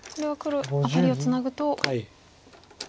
これは黒アタリをツナぐと。